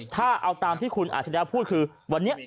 ถ้าเอาตามที่คุณอาชิริยะพูดคือวันนี้